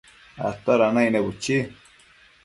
¿toda naicne?chichi